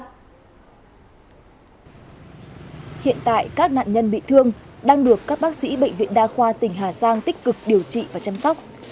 hiện tại các nạn nhân bị thương đang được các bác sĩ bệnh viện đa khoa tỉnh hà giang tích cực điều trị và chăm sóc